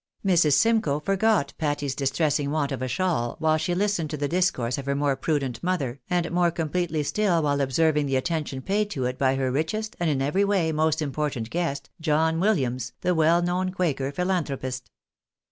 Mrs. Simcoe forgot Patty's distressing want of a shawl, while she listened to the discourse of her more prudent mother, and more completely still while observing the attention paid to it by her richest, and, in every way, most important guest, John Wil liams, the well known quaker philanthropist.